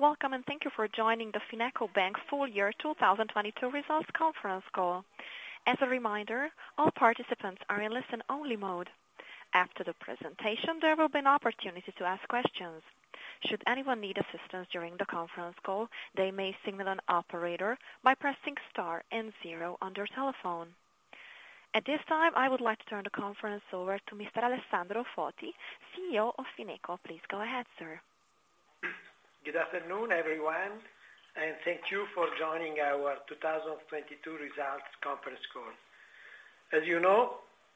Welcome. Thank you for joining the FinecoBank Full Year 2022 Results Conference Call. As a reminder, all participants are in listen-only mode. After the presentation, there will be an opportunity to ask questions. Should anyone need assistance during the conference call, they may signal an operator by pressing star zero on their telephone. At this time, I would like to turn the conference over to Mr. Alessandro Foti, CEO of FinecoBank. Please go ahead, sir. Good afternoon, everyone, and thank you for joining our 2022 results conference call. As you know,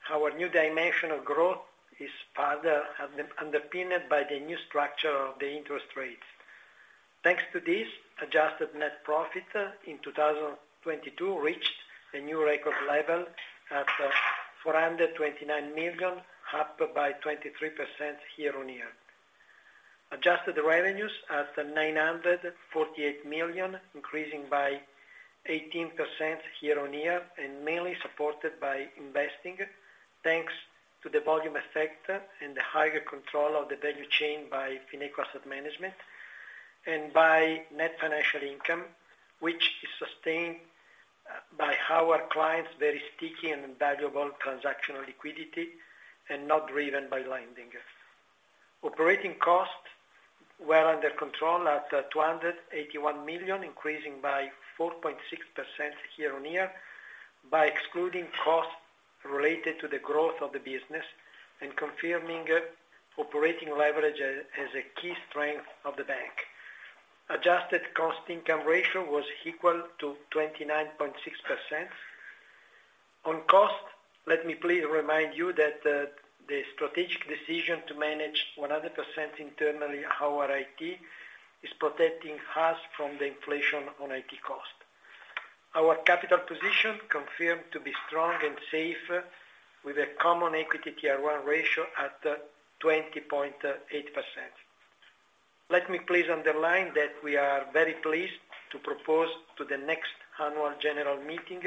our new dimension of growth is further underpinned by the new structure of the interest rates. Thanks to this, adjusted net profit in 2022 reached a new record level at 429 million, up by 23% year-on-year. Adjusted revenues at 948 million, increasing by 18% year-on-year, and mainly supported by investing, thanks to the volume effect and the higher control of the value chain by Fineco Asset Management, and by net financial income, which is sustained by our clients' very sticky and invaluable transactional liquidity and not driven by lending. Operating costs were under control at 281 million, increasing by 4.6% year-on-year, by excluding costs related to the growth of the business and confirming operating leverage as a key strength of the bank. Adjusted cost-income ratio was equal to 29.6%. On cost, let me please remind you that the strategic decision to manage 100% internally our IT is protecting us from the inflation on IT cost. Our capital position confirmed to be strong and safe, with a Common Equity Tier 1 ratio at 20.8%. Let me please underline that we are very pleased to propose to the next annual general meeting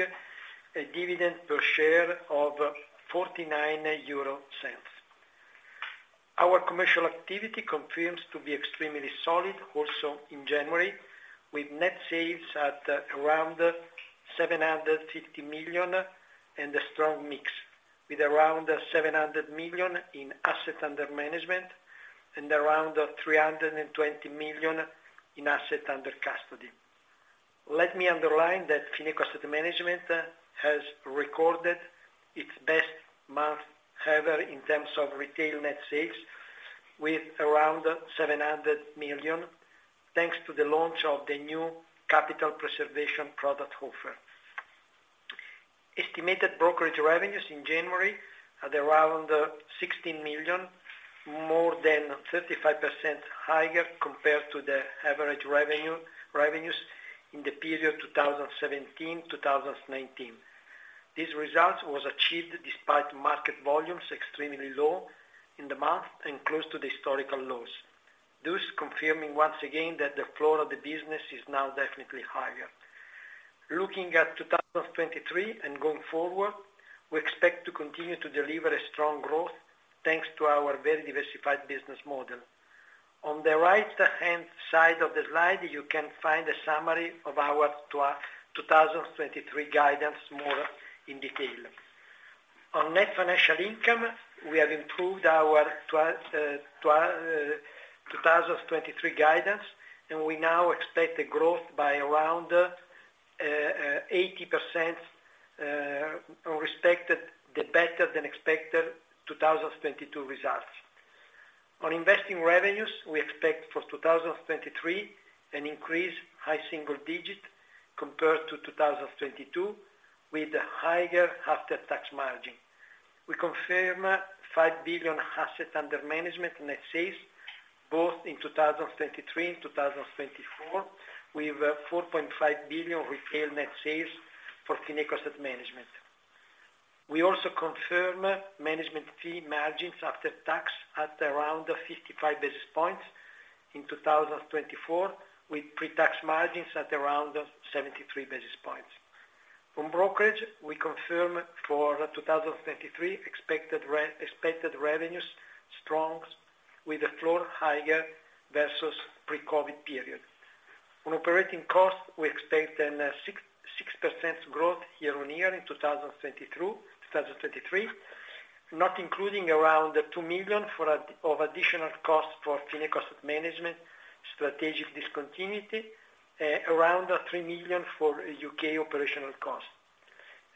a dividend per share of 0.49. Our commercial activity confirms to be extremely solid also in January, with net sales at around 750 million and a strong mix with around 700 million in assets under management and around 320 million in assets under custody. Let me underline that Fineco Asset Management has recorded its best month ever in terms of retail net sales with around 700 million, thanks to the launch of the new capital preservation product offer. Estimated brokerage revenues in January at around 16 million, more than 35% higher compared to the average revenue, revenues in the period 2017, 2019. This result was achieved despite market volumes extremely low in the month and close to the historical lows, thus confirming once again that the floor of the business is now definitely higher. Looking at 2023 and going forward, we expect to continue to deliver a strong growth, thanks to our very diversified business model. On the right-hand side of the slide, you can find a summary of our 2023 guidance more in detail. On net financial income, we have improved our 2023 guidance, we now expect a growth by around 80%, respected the better than expected 2022 results. On investing revenues, we expect for 2023 an increase high single digit compared to 2022 with a higher after-tax margin. We confirm 5 billion assets under management net sales both in 2023 and 2024, with 4.5 billion retail net sales for Fineco Asset Management. We also confirm management fee margins after tax at around 55 basis points in 2024, with pre-tax margins at around 73 basis points. On brokerage, we confirm for 2023 expected revenues strong with the floor higher versus pre-COVID period. On operating costs, we expect 6% growth year-on-year in 2022-2023, not including around 2 million for additional costs for Fineco Asset Management strategic discontinuity, around 3 million for U.K. operational costs,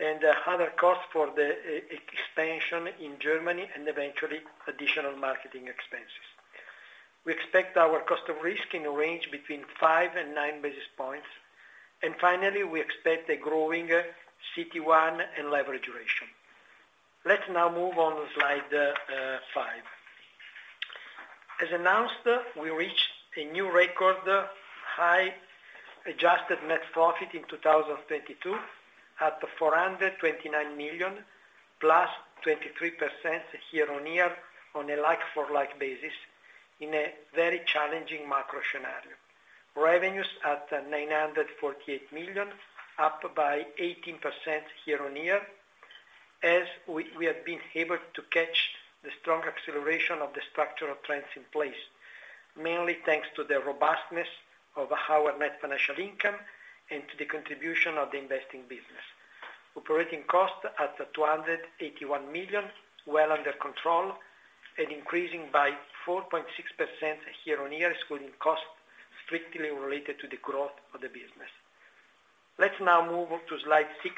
and other costs for the expansion in Germany and eventually additional marketing expenses. We expect our cost of risk in a range between five and nine basis points, and finally, we expect a growing CET1 and leverage ratio. Let's now move on to slide five. As announced, we reached a new record high adjusted net profit in 2022 at 429 million, +23% year-on-year on a like-for-like basis in a very challenging macro scenario. Revenues at 948 million, up by 18% year-on-year. As we have been able to catch the strong acceleration of the structural trends in place, mainly thanks to the robustness of our net financial income and to the contribution of the investing business. Operating costs at 281 million, well under control and increasing by 4.6% year-on-year, excluding costs strictly related to the growth of the business. Let's now move on to slide six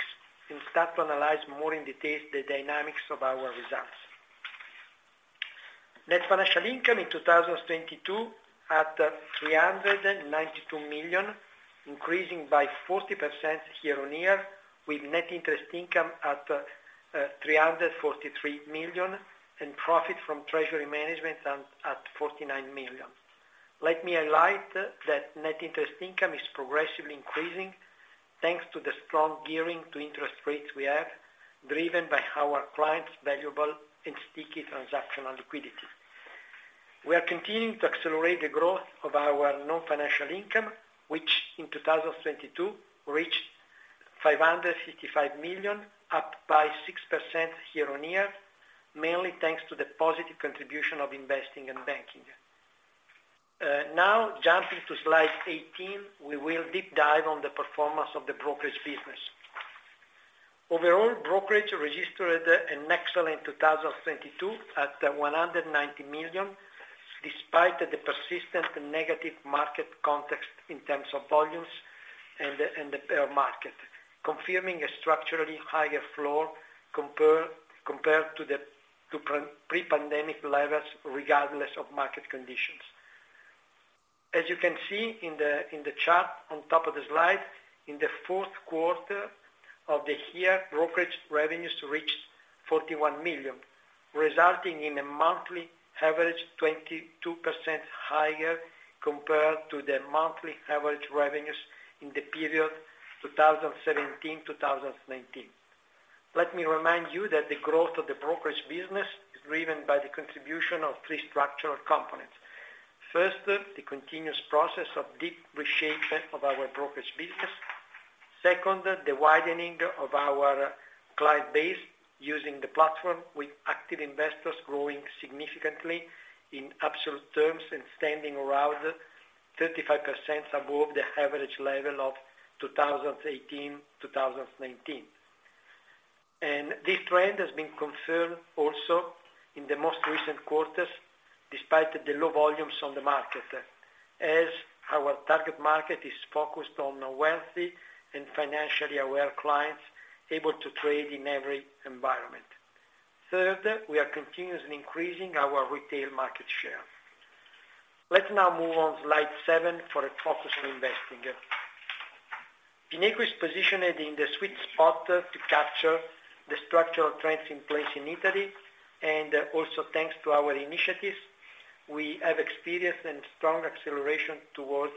and start to analyze more in detail the dynamics of our results. Net financial income in 2022 at 392 million, increasing by 40% year-on-year, with net interest income at 343 million, and profit from treasury management at 49 million. Let me highlight that net interest income is progressively increasing, thanks to the strong gearing to interest rates we have, driven by our clients' valuable and sticky transactional liquidity. We are continuing to accelerate the growth of our non-financial income, which in 2022 reached 555 million, up by 6% year-on-year, mainly thanks to the positive contribution of investing and banking. Now jumping to slide 18, we will deep dive on the performance of the brokerage business. Overall, brokerage registered an excellent 2022 at 190 million, despite the persistent negative market context in terms of volumes and the bear market, confirming a structurally higher floor compared to the pre-pandemic levels, regardless of market conditions. As you can see in the chart on top of the slide, in the Q4 of the year, brokerage revenues reached 41 million, resulting in a monthly average 22% higher compared to the monthly average revenues in the period 2017-2019. Let me remind you that the growth of the brokerage business is driven by the contribution of three structural components. First, the continuous process of deep reshaping of our brokerage business. The widening of our client base using the platform, with active investors growing significantly in absolute terms and standing around 35% above the average level of 2018, 2019. This trend has been confirmed also in the most recent quarters, despite the low volumes on the market, as our target market is focused on the wealthy and financially aware clients able to trade in every environment. We are continuously increasing our retail market share. Let's now move on slide seven for a focus on investing. Fineco is positioned in the sweet spot to capture the structural trends in place in Italy, also thanks to our initiatives, we have experienced a strong acceleration towards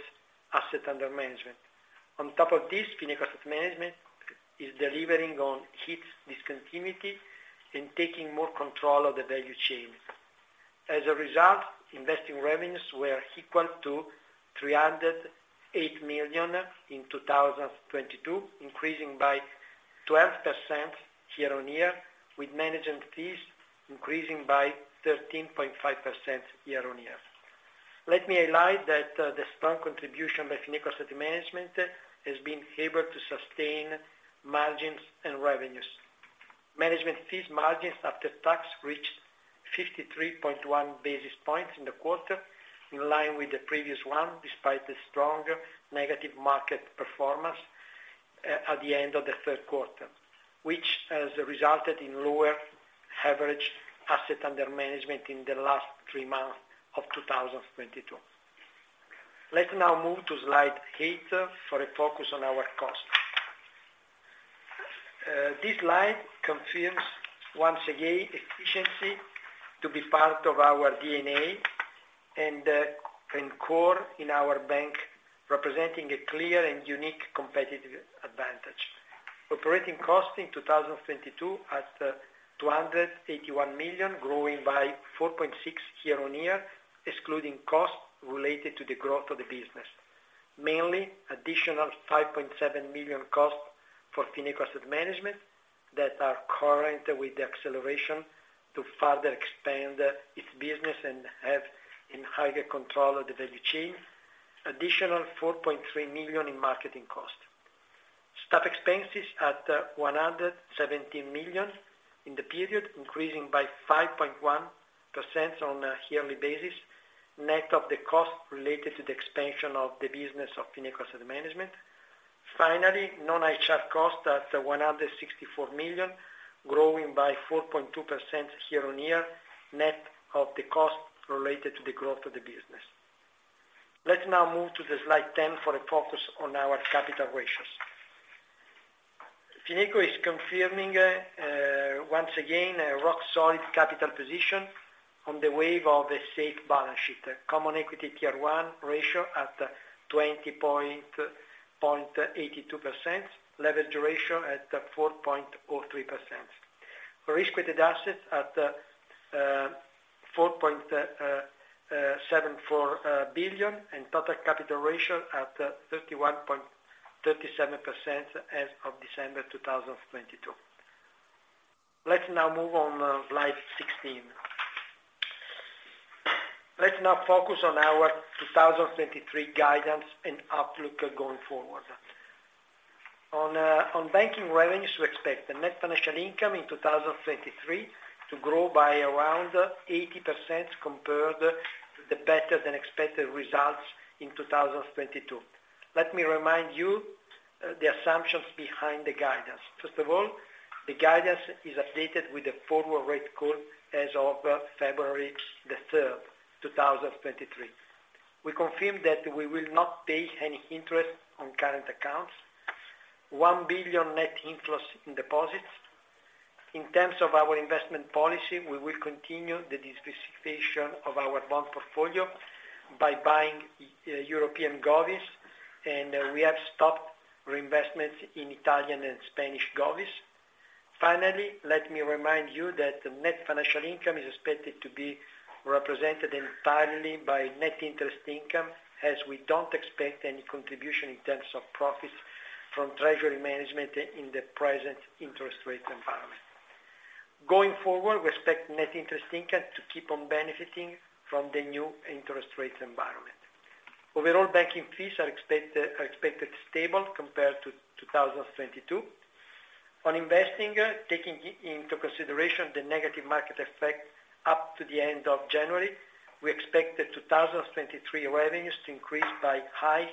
assets under management. On top of this, Fineco Asset Management is delivering on hits discontinuity and taking more control of the value chain. As a result, investing revenues were equal to 308 million in 2022, increasing by 12% year-on-year, with management fees increasing by 13.5% year-on-year. Let me highlight that the strong contribution by Fineco Asset Management has been able to sustain margins and revenues. Management fees margins after tax reached 53.1 basis points in the quarter, in line with the previous one, despite the strong negative market performance at the end of the Q3, which has resulted in lower average asset under management in the last three months of 2022. Let's now move to slide eight for a focus on our costs. This slide confirms once again efficiency to be part of our DNA and core in our bank, representing a clear and unique competitive advantage. Operating costs in 2022 at 281 million, growing by 4.6% year-on-year, excluding costs related to the growth of the business, mainly additional 5.7 million costs for Fineco Asset Management that are current with the acceleration to further expand its business and have in higher control of the value chain. Additional 4.3 million in marketing costs. Staff expenses at 117 million in the period, increasing by 5.1% on a yearly basis, net of the costs related to the expansion of the business of Fineco Asset Management. Non-HR costs at 164 million, growing by 4.2% year-on-year, net of the costs related to the growth of the business. Let's now move to Slide 10 for a focus on our capital ratios. Fineco is confirming once again, a rock-solid capital position on the wave of a safe balance sheet. Common Equity Tier 1 ratio at 20.82%. leverage ratio at 4.03%. risk-weighted assets at 4.74 billion and total capital ratio at 31.37% as of December 2022. Let's now move on slide 16. Let's now focus on our 2023 guidance and outlook going forward. On banking revenues, we expect the net financial income in 2023 to grow by around 80% compared to the better than expected results in 2022. Let me remind you the assumptions behind the guidance. The guidance is updated with the forward rate curve as of February 3rd, 2023. We confirm that we will not pay any interest on current accounts. 1 billion net inflows in deposits. In terms of our investment policy, we will continue the diversification of our bond portfolio by buying European govies, and we have stopped reinvestments in Italian and Spanish govies. Let me remind you that the net financial income is expected to be represented entirely by net interest income, as we don't expect any contribution in terms of profits from treasury management in the present interest rate environment. Going forward, we expect net interest income to keep on benefiting from the new interest rate environment. Overall banking fees are expected stable compared to 2022. On investing, taking into consideration the negative market effect up to the end of January, we expect the 2023 revenues to increase by high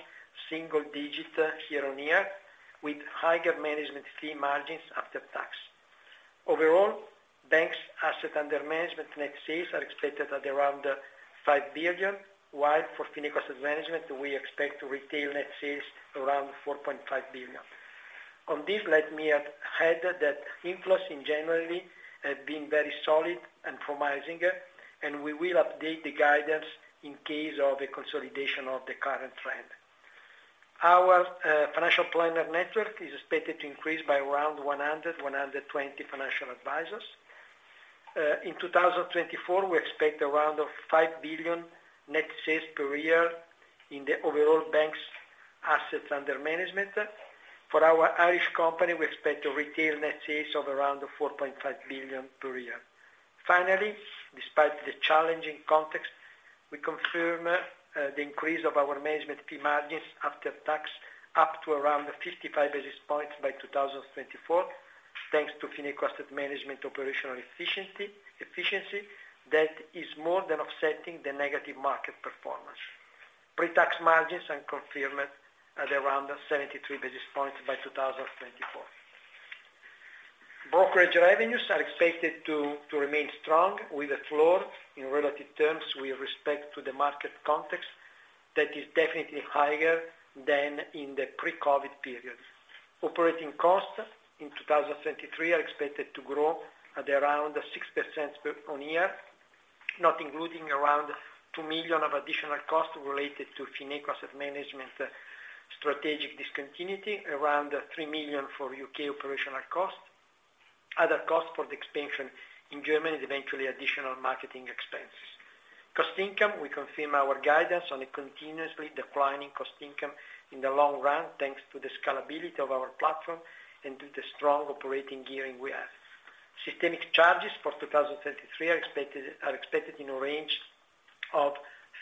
single digits year-on-year, with higher management fee margins after tax. Overall, banks assets under management net sales are expected at around 5 billion, while for Fineco Asset Management, we expect retail net sales around 4.5 billion. On this, let me add that inflows in January have been very solid and promising, and we will update the guidance in case of a consolidation of the current trend. Our financial planner network is expected to increase by around 100 financial advisors. In 2024, we expect around of 5 billion net sales per year in the overall banks assets under management. For our Irish company, we expect retail net sales of around 4.5 billion per year. Despite the challenging context, we confirm the increase of our management fee margins after tax up to around 55 basis points by 2024, thanks to Fineco Asset Management operational efficiency that is more than offsetting the negative market performance. Pre-tax margins are confirmed at around 73 basis points by 2024. Brokerage revenues are expected to remain strong with a floor in relative terms with respect to the market context that is definitely higher than in the pre-COVID periods. Operating costs in 2023 are expected to grow at around 6% per on year, not including around 2 million of additional costs related to Fineco Asset Management strategic discontinuity, around 3 million for U.K. operational costs, other costs for the expansion in Germany, and eventually additional marketing expenses. Cost-income, we confirm our guidance on a continuously declining cost-income in the long run, thanks to the scalability of our platform and to the strong operating gearing we have. Systemic charges for 2023 are expected in a range of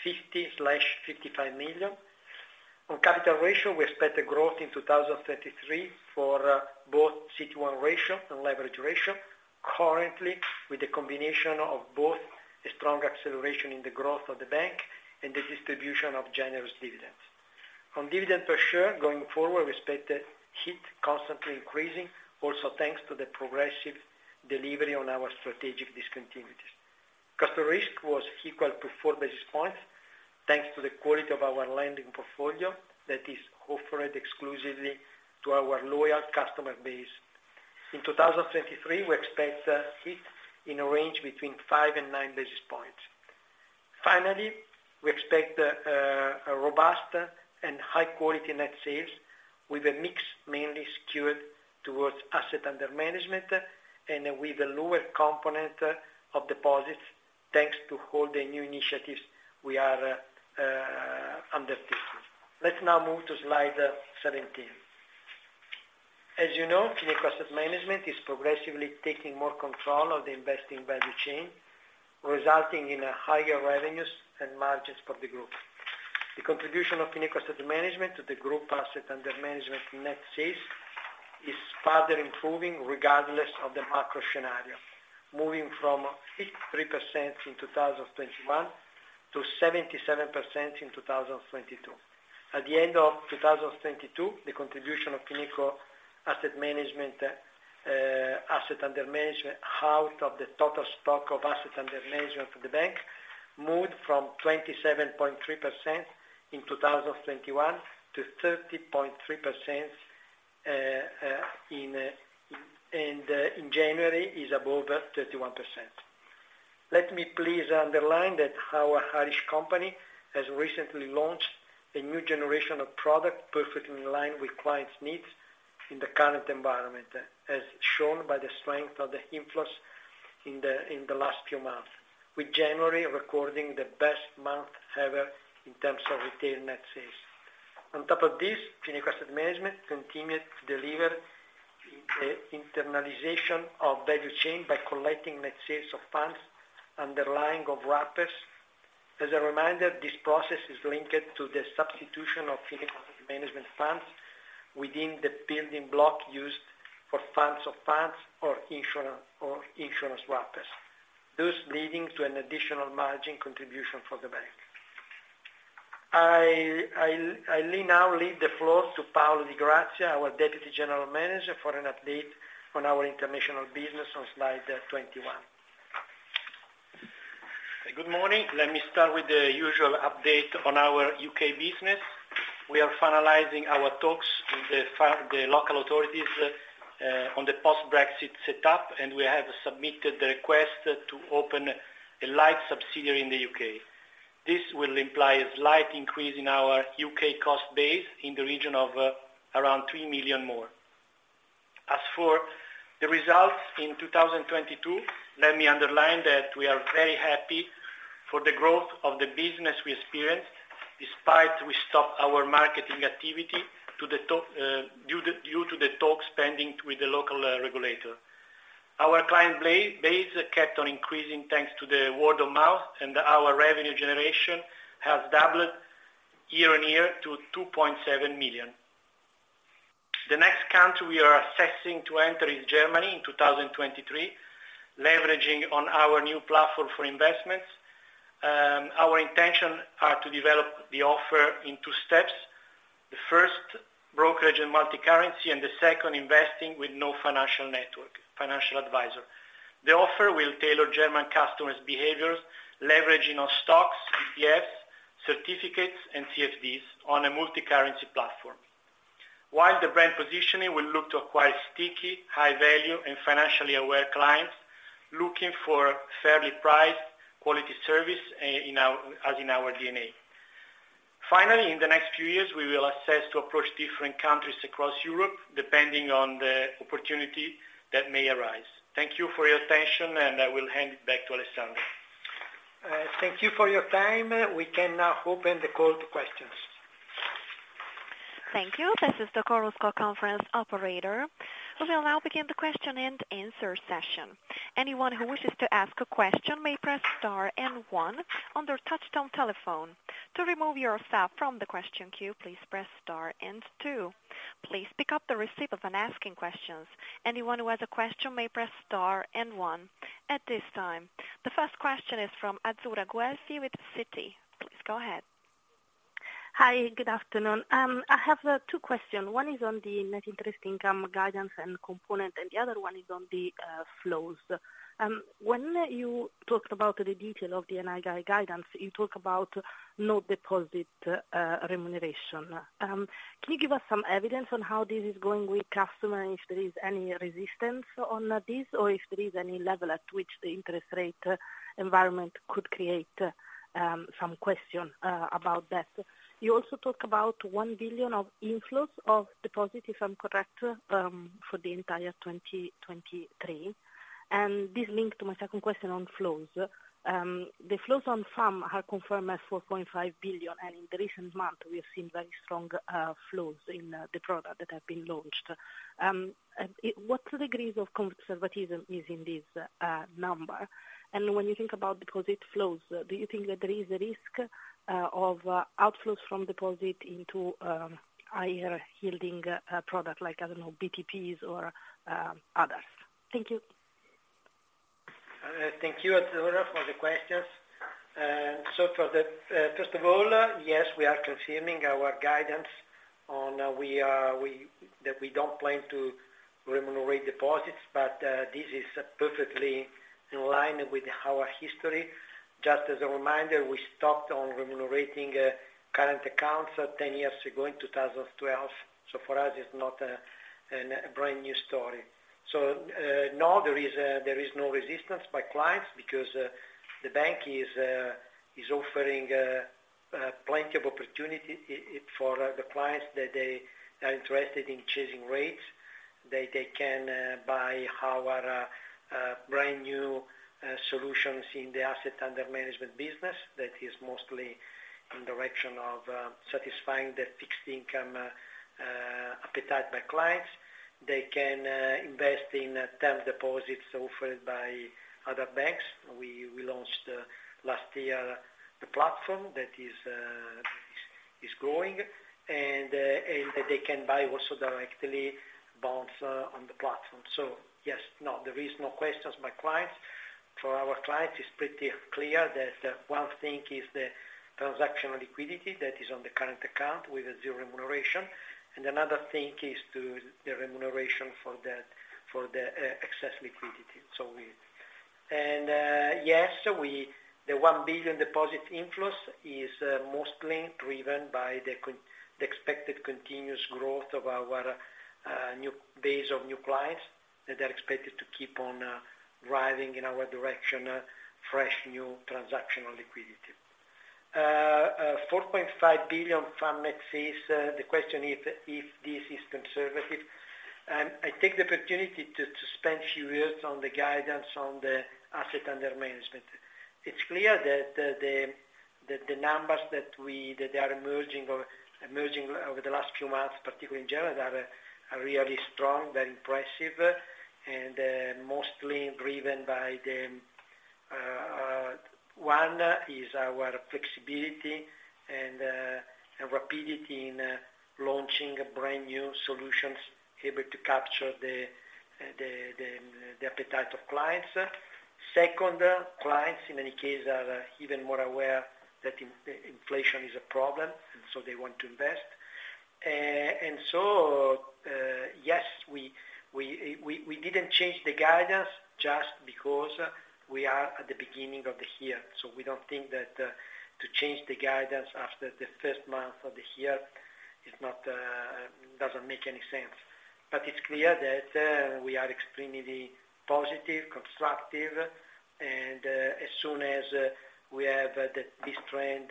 50-55 million. On capital ratio, we expect a growth in 2023 for both CET1 ratio and leverage ratio, currently with the combination of both a strong acceleration in the growth of the bank and the distribution of generous dividends. On dividend per share, going forward, we expect it constantly increasing, also thanks to the progressive delivery on our strategic discontinuities. Customer risk was equal to four basis points, thanks to the quality of our lending portfolio that is offered exclusively to our loyal customer base. In 2023, we expect it in a range between five and nine basis points. Finally, we expect a robust and high quality net sales with a mix mainly skewed towards asset under management, and with a lower component of deposits, thanks to all the new initiatives we are undertaking. Let's now move to slide 17. As you know, Fineco Asset Management is progressively taking more control of the investing value chain, resulting in a higher revenues and margins for the group. The contribution of Fineco Asset Management to the group assets under management net sales is further improving regardless of the macro scenario, moving from 53% in 2021 to 77% in 2022. At the end of 2022, the contribution of Fineco Asset Management assets under management out of the total stock of assets under management for the bank moved from 27.3% in 2021 to 30.3%. In January is above 31%. Let me please underline that our Irish company has recently launched a new generation of product perfectly in line with clients' needs. In the current environment, as shown by the strength of the inflows in the last few months, with January recording the best month ever in terms of retail net sales. On top of this, Fineco Asset Management continued to deliver the internalization of value chain by collecting net sales of funds, underlying of wrappers. As a reminder, this process is linked to the substitution of Fineco Asset Management funds within the building block used for funds of funds or insurance wrappers, thus leading to an additional margin contribution for the bank. I'll now leave the floor to Paolo Di Grazia, our Deputy General Manager, for an update on our international business on slide 21. Good morning. Let me start with the usual update on our U.K. business. We are finalizing our talks with the local authorities on the post-Brexit setup, and we have submitted the request to open a light subsidiary in the U.K. This will imply a slight increase in our U.K. cost base in the region of around 3 million more. As for the results in 2022, let me underline that we are very happy for the growth of the business we experienced, despite we stopped our marketing activity due to the talks pending with the local regulator. Our client base kept on increasing thanks to the word of mouth. Our revenue generation has doubled year-on-year to 2.7 million. The next country we are assessing to enter is Germany in 2023, leveraging on our new platform for investments. Our intention are to develop the offer in two steps. The first, brokerage and multicurrency, and the second, investing with no financial network, financial advisor. The offer will tailor German customers' behaviors, leveraging on stocks, ETFs, certificates, and CFD on a multicurrency platform. The brand positioning will look to acquire sticky, high value, and financially aware clients looking for fairly priced quality service, in our, as in our DNA. In the next few years, we will assess to approach different countries across Europe, depending on the opportunity that may arise. Thank you for your attention, and I will hand it back to Alessandro. Thank you for your time. We can now open the call to questions. Thank you. This is the Chorus Call conference operator. We will now begin the question and answer session. Anyone who wishes to ask a question may press star and one on their touchtone telephone. To remove yourself from the question queue, please press star and two. Please pick up the receipt of an asking questions. Anyone who has a question may press star and one. At this time, the first question is from Azzurra Guelfi with Citi. Please go ahead. Hi, good afternoon. I have two questions. One is on the net interest income guidance and component. The other one is on the flows. When you talked about the detail of the NII guidance, you talk about no deposit remuneration. Can you give us some evidence on how this is going with customers and if there is any resistance on this, or if there is any level at which the interest rate environment could create some question about that? You also talk about 1 billion of inflows of deposits, if I'm correct, for the entire 2023. This links to my second question on flows. The flows on FAM are confirmed as 4.5 billion. In the recent month, we have seen very strong flows in the product that have been launched. What degrees of conservatism is in this, number? When you think about deposit flows, do you think that there is a risk of outflows from deposit into higher yielding product like, I don't know, BTP or others? Thank you. Thank you Azzurra for the questions. For the first of all, yes, we are confirming our guidance on that we don't plan to remunerate deposits, but this is perfectly in line with our history. Just as a reminder, we stopped on remunerating current accounts 10 years ago in 2012. For us, it's not a brand new story. No, there is no resistance by clients because the bank is offering plenty of opportunity for the clients that they are interested in chasing rates. They can buy our brand new solutions in the asset under management business that is mostly in the direction of satisfying the fixed income appetite by clients. They can invest in term deposits offered by other banks. We launched last year the platform that is growing and they can buy also directly bonds on the platform. Yes, no there is no questions by clients. For our clients, it's pretty clear that one thing is the transactional liquidity that is on the current account with zero remuneration. Another thing is to the remuneration for the excess liquidity. Yes, the 1 billion deposit inflows is mostly driven by the expected continuous growth of our new base of new clients that are expected to keep on driving in our direction fresh new transactional liquidity. 4.5 billion from net fees. The question if this is conservative. I take the opportunity to spend a few words on the guidance on the assets under management. It's clear that the numbers that are emerging over the last few months, particularly in general, are really strong, very impressive, and mostly driven by the. One is our flexibility and rapidity in launching brand-new solutions able to capture the appetite of clients. Second, clients, in any case, are even more aware that inflation is a problem, and so they want to invest. Yes, we didn't change the guidance just because we are at the beginning of the year. We don't think that to change the guidance after the first month of the year is not doesn't make any sense. It's clear that we are extremely positive, constructive, and as soon as we have this trend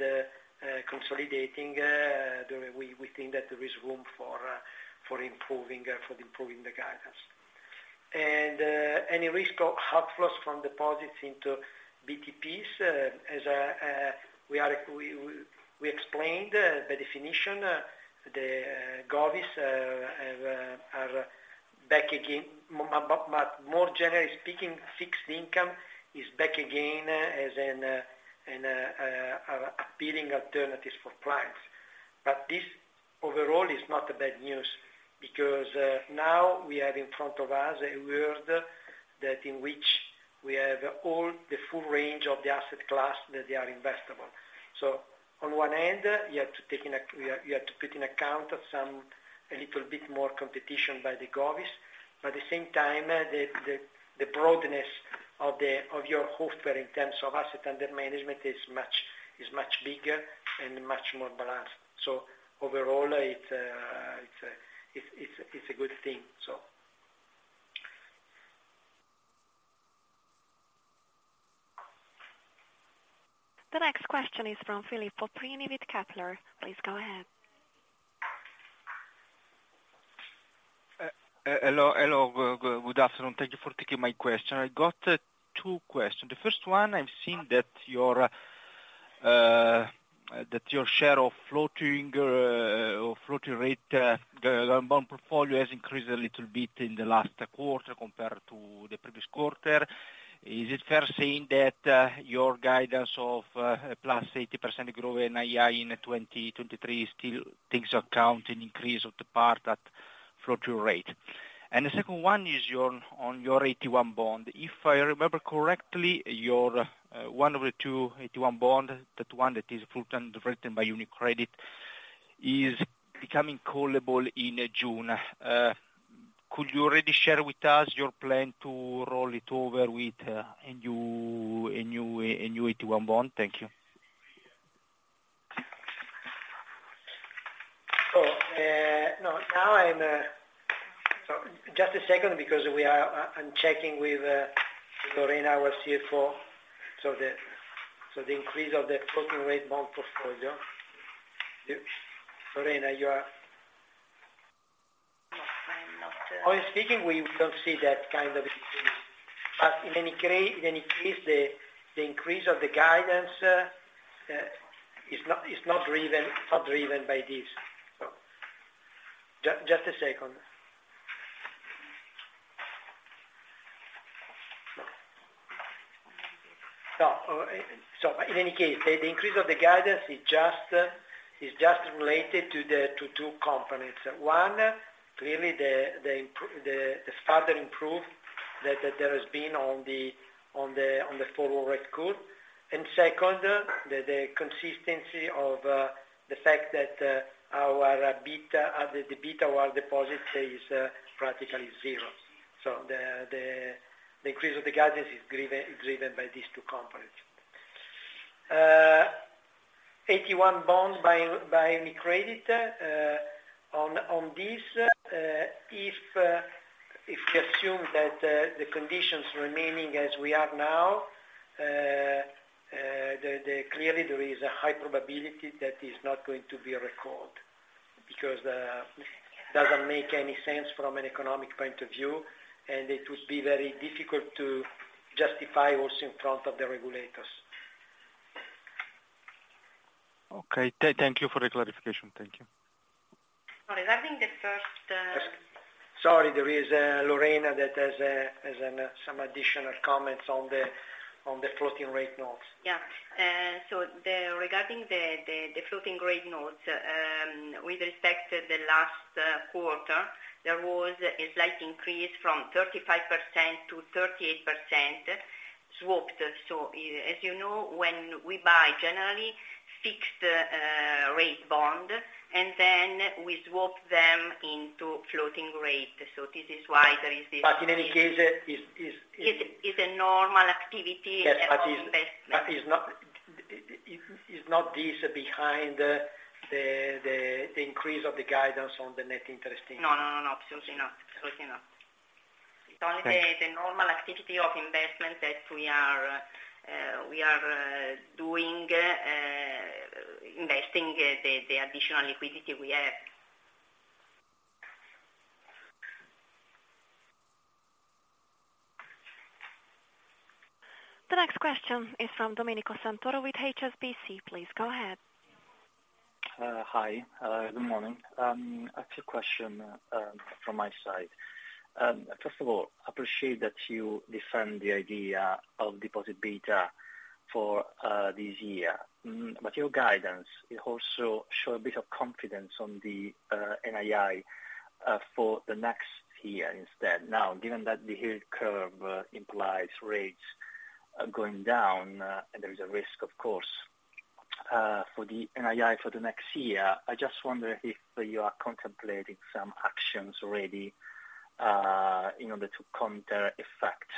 consolidating, then we think that there is room for improving, for improving the guidance. Any risk of outflows from deposits into BTP, as we explained the definition, the govies are back again. More generally speaking, fixed income is back again as an appealing alternatives for clients. This overall is not a bad news because now we have in front of us a world that in which we have all the full range of the asset class that they are investable. On one end, you have to take in. You have to put in account a little bit more competition by the govies, but at the same time, the broadness of the, of your offer in terms of assets under management is much, is much bigger and much more balanced. overall, it's a good thing. The next question is from Philippe Ricard with Kepler Cheuvreux. Please go ahead. Hello, good afternoon. Thank you for taking my question. I got two questions. The first one, I've seen that your share of floating rate bond portfolio has increased a little bit in the last quarter compared to the previous quarter. Is it fair saying that your guidance of +80% growth in NII in 2023 still takes account an increase of the part at floating rate? The second one is on your AT1 bond. If I remember correctly, one of the two AT1 bonds, that one that is fully underwritten by UniCredit, is becoming callable in June. Could you already share with us your plan to roll it over with a new AT1 bond? Thank you. Oh, no. Now I'm. Just a second. I'm checking with Lorena, our CFO. The increase of the floating rate bond portfolio. Lorena, you are. No, I'm not. Honestly speaking, we don't see that kind of increase. In any case, the increase of the guidance is not driven by this. Just a second. No. In any case, the increase of the guidance is just related to two components. One, clearly the further improve that there has been on the forward rate curve. Second, the consistency of the fact that our beta, the beta on deposits is practically zero. The increase of the guidance is driven by these two components. AT1 bond by UniCredit. On this, if we assume that the conditions remaining as we are now, clearly there is a high probability that it's not going to be recalled because it doesn't make any sense from an economic point of view, and it would be very difficult to justify also in front of the regulators. Okay. Thank you for the clarification. Thank you. Sorry. Regarding the first. Sorry, there is Lorena that has some additional comments on the floating rate notes. Yeah. Regarding the floating rate notes, with respect to the last quarter, there was a slight increase from 35% to 38% swapped. As you know, when we buy generally fixed rate bond, and then we swap them into floating rate. This is why there is. In any case, is. It's a normal activity of investment. Yes, but is not. It is not this behind the increase of the guidance on the net interest income. No, no, no. Absolutely not. Absolutely not. Only the normal activity of investment that we are doing, investing the additional liquidity we have. The next question is from Domenico Santoro with HSBC. Please go ahead. Hi. Good morning. I have two question from my side. First of all, appreciate that you defend the idea of deposit beta for this year. Your guidance, it also show a bit of confidence on the NII for the next year instead. Now, given that the yield curve implies rates going down, and there is a risk, of course, for the NII for the next year, I just wonder if you are contemplating some actions already in order to counter effect,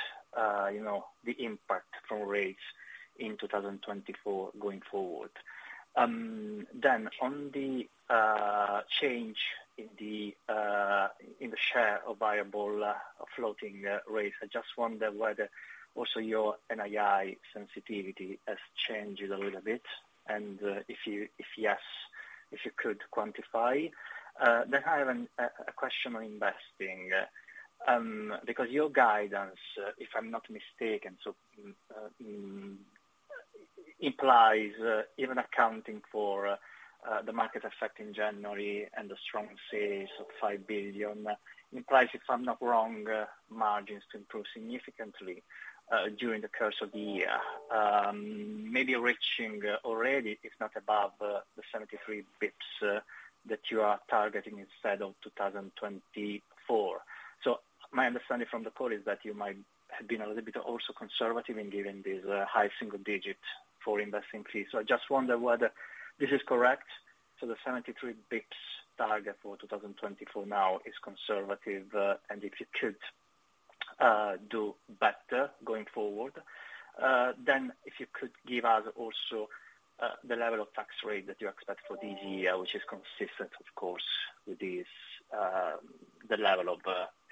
you know, the impact from rates in 2024 going forward. On the change in the in the share of variable floating rates, I just wonder whether also your NII sensitivity has changed a little bit, and if yes, if you could quantify. I have a question on investing, because your guidance, if I'm not mistaken, implies, even accounting for the market effect in January and the strong sales of 5 billion, implies, if I'm not wrong, margins to improve significantly during the course of the year, maybe reaching already, if not above, the 73 basis points, that you are targeting instead of 2024. My understanding from the call is that you might have been a little bit also conservative in giving these high single digits for investing fees. I just wonder whether this is correct, so the 73 basis points target for 2024 now is conservative, and if you could do better going forward. If you could give us also, the level of tax rate that you expect for this year, which is consistent of course, with this, the level of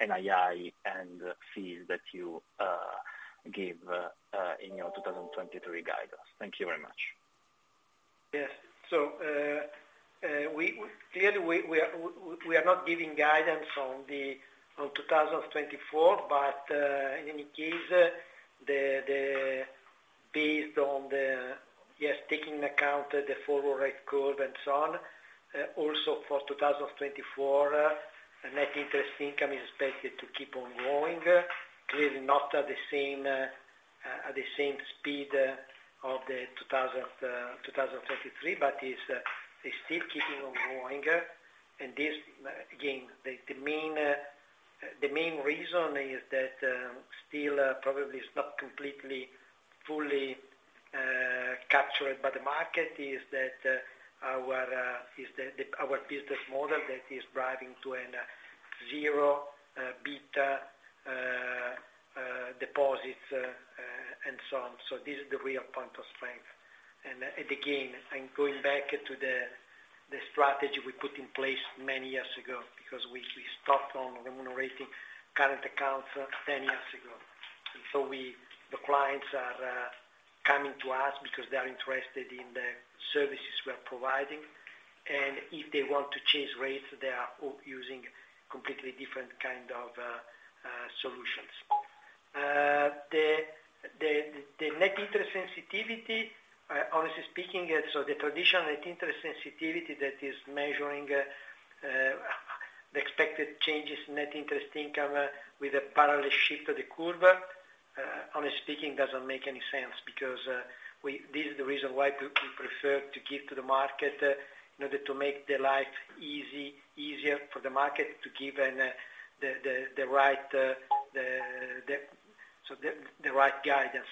NII and fees that you give in your 2023 guidance. Thank you very much. We. Clearly, we are, w-we are not giving guidance on the, on 2024, but, uh, in any case, the based on the, yes, taking account the forward rate curve and so on, uh, also for 2024 uh, the net interest income is expected to keep on growing. Clearly not at the same, uh, at the same speed of the 2000, uh, 2023, but is, uh, is still keeping on growing. This, again, the main, uh, the main reason is that, um, still, uh, probably is not completely, fully, uh, captured by the market, is that, uh, our, uh, is the, our business model that is driving to an zero, uh, beta, uh, deposits, uh, and so on. This is the real point of strength. Again, I'm going back to the strategy we put in place many years ago because we stopped on remunerating current accounts 10 years ago. We, the clients are coming to us because they are interested in the services we are providing. If they want to change rates, they are using completely different kind of solutions. The net interest sensitivity, honestly speaking, so the traditional net interest sensitivity that is measuring the expected changes in net interest income with a parallel shift of the curve, honestly speaking, doesn't make any sense because we. This is the reason why we prefer to give to the market in order to make the life easy, easier for the market to give the right guidance.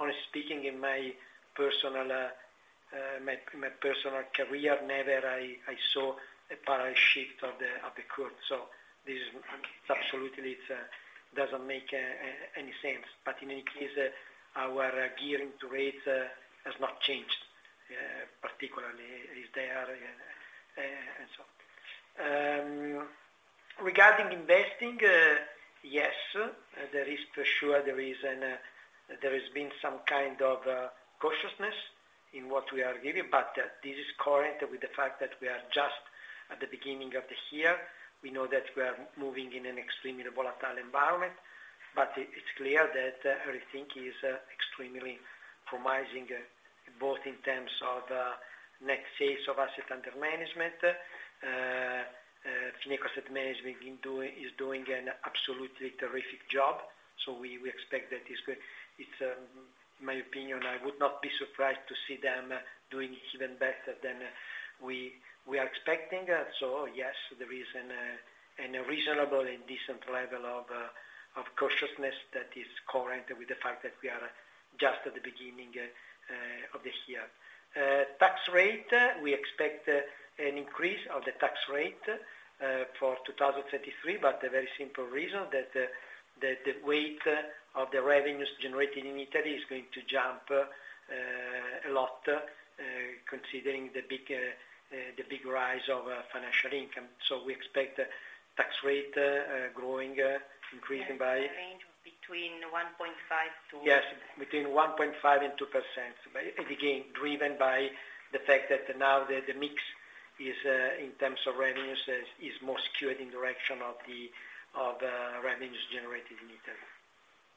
Honestly speaking, in my personal career, never I saw a parallel shift of the curve. This is absolutely it doesn't make any sense. In any case, our gearing to rates has not changed particularly is there and so on. Regarding investing, yes, for sure there has been some kind of cautiousness in what we are giving, but this is correct with the fact that we are just at the beginning of the year. We know that we are moving in an extremely volatile environment, but it's clear that everything is extremely promising, both in terms of net sales of asset under management. Fineco Asset Management is doing an absolutely terrific job, so we expect that it's my opinion, I would not be surprised to see them doing even better than we are expecting. Yes, there is an reasonable and decent level of cautiousness that is correct with the fact that we are just at the beginning of the year. Tax rate, we expect an increase of the tax rate for 2023. A very simple reason that the weight of the revenues generated in Italy is going to jump a lot. Considering the big, the big rise of financial income. We expect the tax rate growing. Yes, in the range of between 1.5. Yes, between 1.5% and 2%. Again, driven by the fact that now the mix is in terms of revenues is more skewed in the direction of the, of the revenues generated in Italy.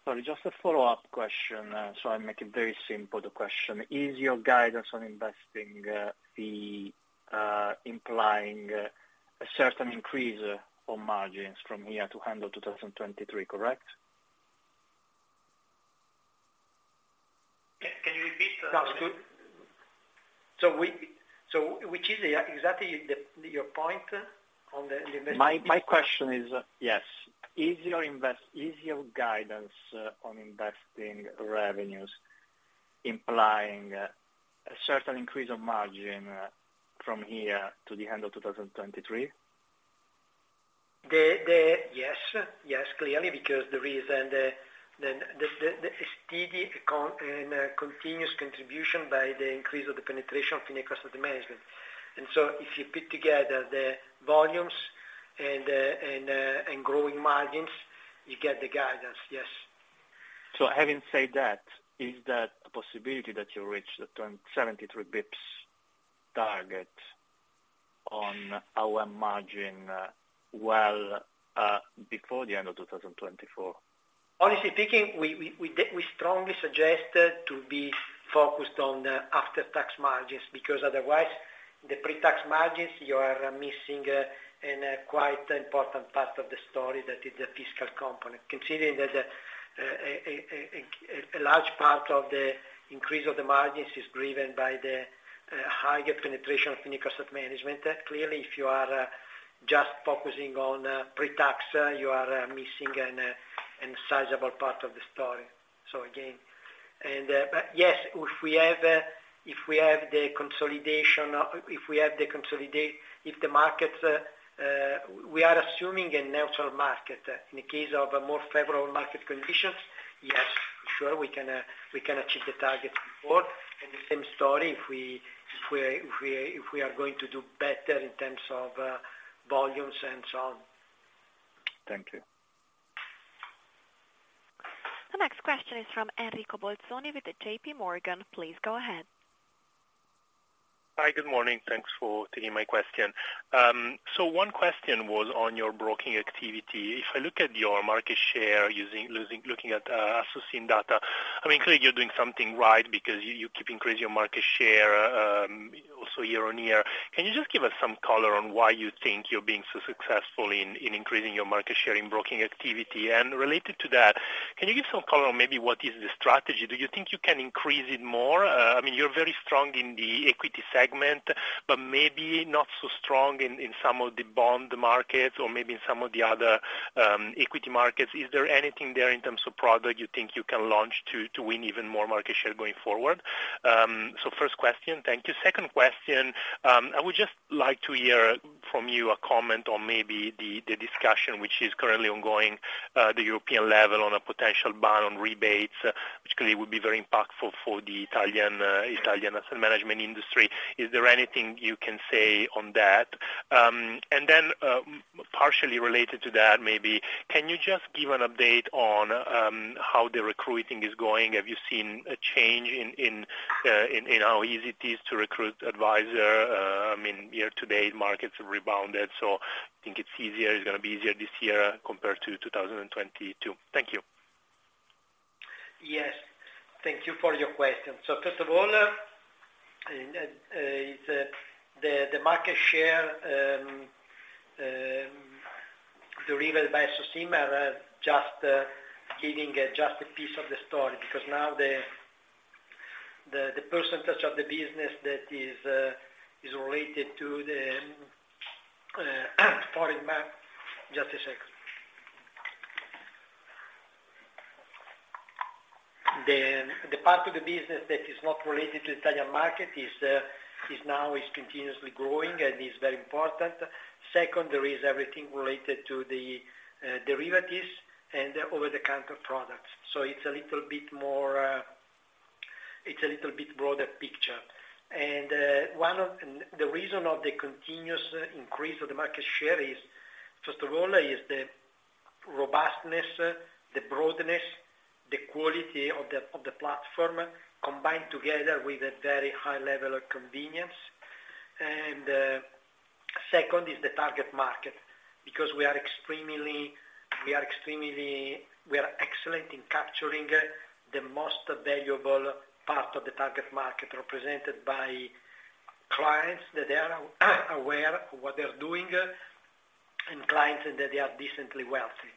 Sorry, just a follow-up question. I make it very simple, the question. Is your guidance on investing, the, implying a certain increase on margins from here to end of 2023, correct? Yeah. Can you repeat that? That's good. Which is exactly the, your point on the investment piece? My question is, yes. Is your guidance on investing revenues implying a certain increase of margin from here to the end of 2023? The. Yes. Yes, clearly, because the reason, the steady and continuous contribution by the increase of the penetration of financial management. If you put together the volumes and growing margins, you get the guidance. Yes. Having said that, is that a possibility that you reach the 73 basis points target on our margin, well, before the end of 2024? Honestly speaking, we strongly suggest to be focused on the after-tax margins, because otherwise the pre-tax margins, you are missing in a quite important part of the story that is the fiscal component. Considering that a large part of the increase of the margins is driven by the higher penetration of financial management. Clearly, if you are just focusing on pre-tax, you are missing a sizeable part of the story. Yes, if we have the consolidation if the markets, we are assuming a natural market. In the case of a more favorable market conditions, yes, sure, we can achieve the target before. The same story, if we are going to do better in terms of volumes and so on. Thank you. The next question is from Enrico Bolzoni with JPMorgan. Please go ahead. Hi, good morning. Thanks for taking my question. One question was on your broking activity. If I look at your market share looking at Assogestioni data, I mean, clearly you're doing something right because you keep increasing your market share year-on-year. Can you just give us some color on why you think you're being so successful in increasing your market share in broking activity? Related to that, can you give some color on maybe what is the strategy? Do you think you can increase it more? I mean, you're very strong in the equity segment, but maybe not so strong in some of the bond markets or maybe in some of the other equity markets. Is there anything there in terms of product you think you can launch to win even more market share going forward? First question. Thank you. Second question. I would just like to hear from you a comment on maybe the discussion which is currently ongoing at the European level on a potential ban on rebates, which clearly would be very impactful for the Italian asset management industry. Is there anything you can say on that? Then, partially related to that, maybe, can you just give an update on how the recruiting is going? Have you seen a change in how easy it is to recruit advisor? I mean, year to date markets have rebounded, so I think it's easier, it's gonna be easier this year compared to 2022. Thank you. Yes. Thank you for your question. First of all, the market share derived by Assogestioni are just giving just a piece of the story. Now the percentage of the business that is related to the, Just a second, the part of the business that is not related to Italian market is now continuously growing and is very important. Second, there is everything related to the derivatives and over-the-counter products. It's a little bit more, it's a little bit broader picture. The reason of the continuous increase of the market share is, first of all, is the robustness, the broadness, the quality of the platform, combined together with a very high level of convenience. Second is the target market, because we are extremely excellent in capturing the most valuable part of the target market represented by clients, that they are aware of what they're doing, and clients that they are decently wealthy.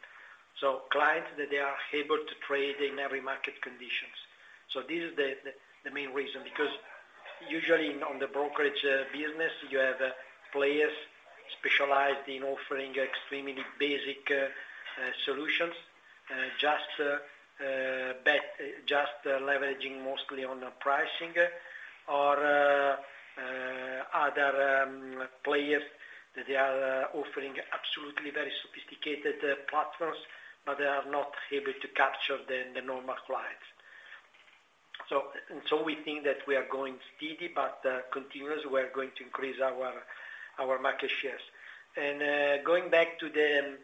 Clients that they are able to trade in every market conditions. This is the main reason. Because usually on the brokerage business, you have players specialized in offering extremely basic solutions, just leveraging mostly on pricing or other players that they are offering absolutely very sophisticated platforms, but they are not able to capture the normal clients. We think that we are going steady but continuous, we are going to increase our market shares. Going back to the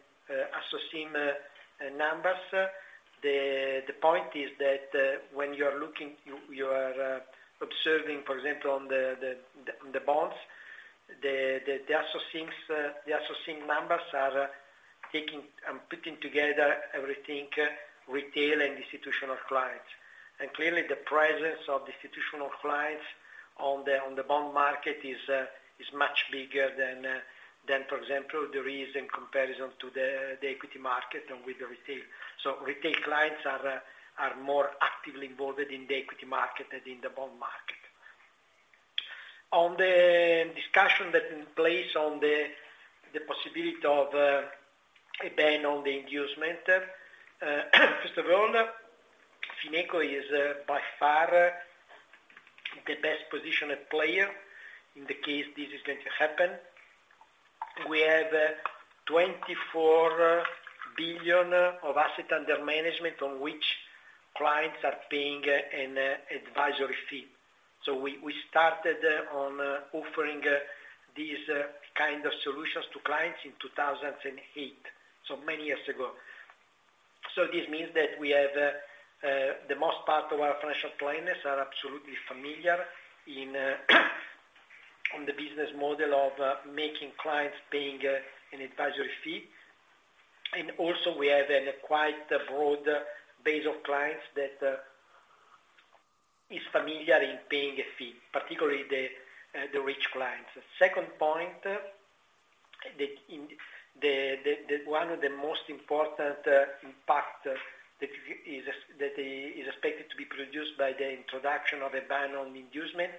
associate numbers. The point is that when you are looking. You are observing, for example, on the bonds, the associate numbers are taking and putting together everything, retail and institutional clients. Clearly the presence of institutional clients on the bond market is much bigger than for example there is in comparison to the equity market and with the retail. Retail clients are more actively involved in the equity market than in the bond market. On the discussion that in place on the possibility of a ban on the inducement. First of all, Fineco is by far the best positioned player in the case this is going to happen. We have 24 billion of assets under management on which clients are paying an advisory fee. We started on offering these kind of solutions to clients in 2008, so many years ago. This means that we have the most part of our financial planners are absolutely familiar in, on the business model of making clients paying an advisory fee. Also we have an quite broad base of clients that is familiar in paying a fee, particularly the rich clients. Second point, the one of the most important impact that is expected to be produced by the introduction of a ban on inducement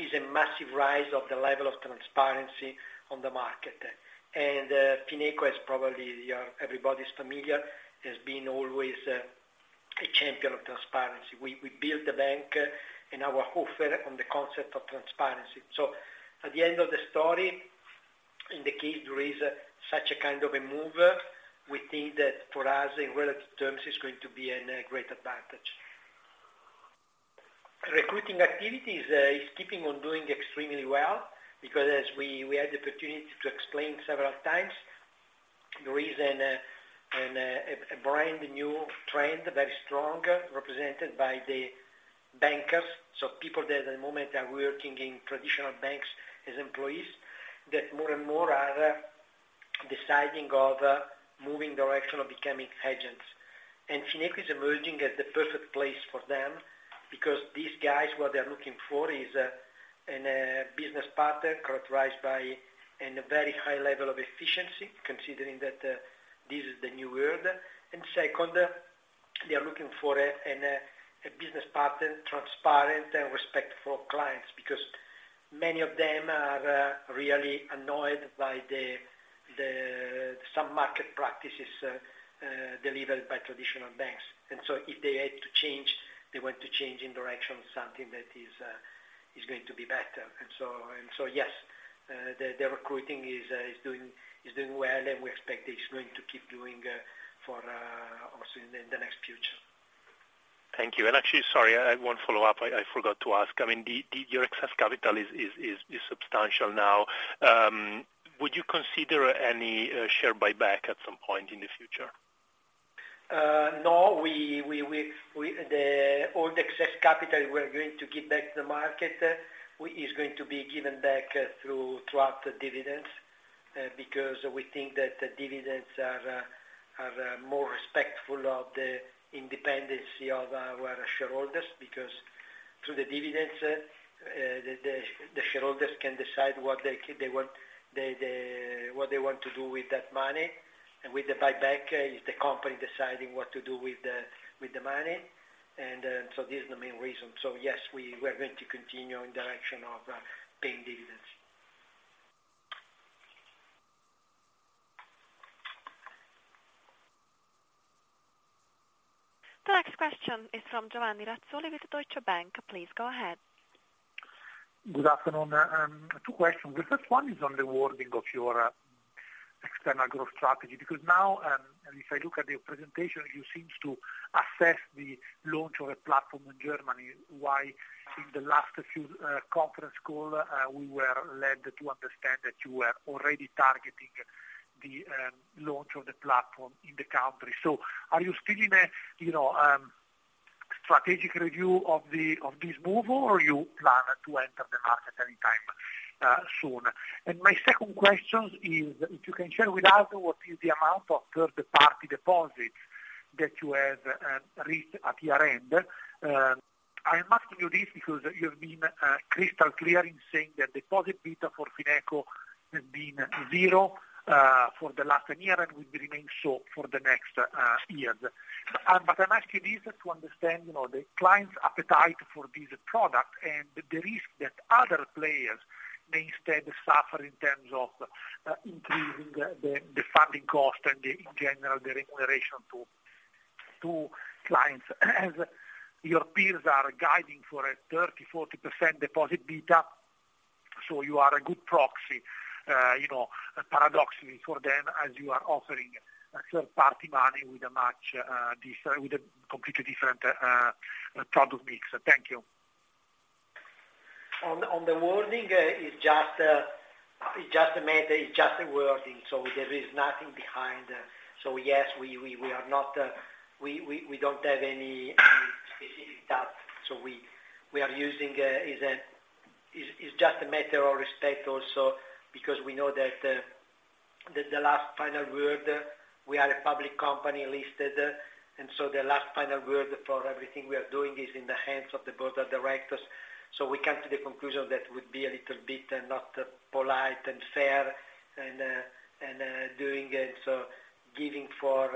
is a massive rise of the level of transparency on the market. Fineco is probably everybody's familiar, has been always a champion of transparency. We built the bank and our offer on the concept of transparency. At the end of the story, in the case there is such a kind of a move, we think that for us in relative terms, it's going to be a great advantage. Recruiting activities is keeping on doing extremely well because as we had the opportunity to explain several times, there is a brand new trend, very strong, represented by the bankers. People that at the moment are working in traditional banks as employees, that more and more are deciding of moving direction of becoming agents. Fineco is emerging as the perfect place for them because these guys, what they are looking for is a business partner characterized by a very high level of efficiency, considering that this is the new world. Second, they are looking for a business partner, transparent and respectful of clients because many of them are really annoyed by some market practices delivered by traditional banks. If they had to change, they want to change in direction something that is going to be better. Yes, the recruiting is doing well, and we expect it's going to keep doing for also in the next future. Thank you. Actually, sorry, I have one follow up I forgot to ask. I mean, your excess capital is substantial now. Would you consider any share buyback at some point in the future? No. We. All the excess capital we're going to give back to the market is going to be given back through, throughout the dividends, because we think that the dividends are more respectful of the independency of our shareholders. Because through the dividends, the shareholders can decide what they want, what they want to do with that money. With the buyback, it's the company deciding what to do with the, with the money. This is the main reason. Yes, we're going to continue in direction of paying dividends. The next question is from Giovanni Razzoli with Deutsche Bank. Please go ahead. Good afternoon. Two questions. The first one is on the wording of your external growth strategy, because now, and if I look at your presentation, you seems to assess the launch of a platform in Germany. Why in the last few conference call, we were led to understand that you were already targeting the launch of the platform in the country. Are you still in a, you know, strategic review of this move, or you plan to enter the market any time soon? My second question is if you can share with us what is the amount of third party deposits that you have reached at year-end? I'm asking you this because you've been crystal clear in saying that deposit beta for Fineco has been zero for the last year and will remain so for the next years. I'm asking this to understand, you know, the clients' appetite for this product and the risk that other players may instead suffer in terms of increasing the funding cost and the, in general, the remuneration to clients as your peers are guiding for a 30%, 40% deposit beta. You are a good proxy, you know, paradoxically for them as you are offering third-party money with a much different, with a completely different product mix. Thank you. On the wording, it's just a wording, so there is nothing behind. Yes, we are not, we don't have any specific task. We are using, is just a matter of respect also because we know that the last final word, we are a public company listed, and so the last final word for everything we are doing is in the hands of the board of directors. We come to the conclusion that would be a little bit not polite and fair and doing and so giving for